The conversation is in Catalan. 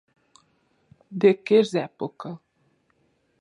De què és època?